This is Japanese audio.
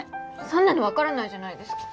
そんなのわからないじゃないですか！